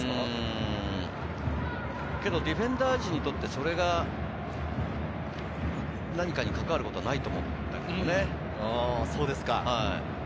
ディフェンダー陣にとって、それが何かに関わることはないと思うんだけれどね。